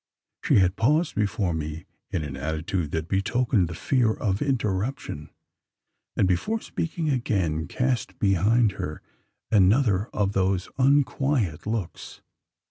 She had paused before me in an attitude that betokened the fear of interruption; and, before speaking, again cast behind her another of those unquiet looks.